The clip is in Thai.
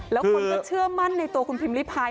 แล้วคนก็เชื่อมั่นในตัวคุณพิมพ์ริพาย